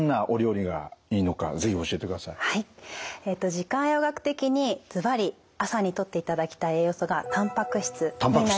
時間栄養学的にずばり朝にとっていただきたい栄養素がたんぱく質になります。